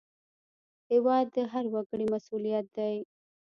هېواد د هر وګړي مسوولیت دی